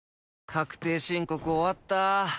確定申告終わった。